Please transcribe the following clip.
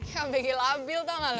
ya begi labil tau gak lu